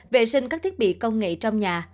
vệ sinh các thiết bị công nghệ trong nhà